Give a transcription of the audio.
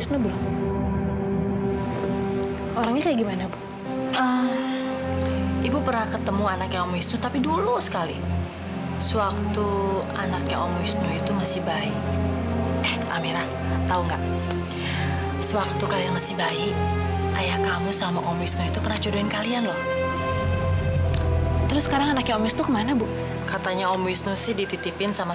sampai jumpa di video selanjutnya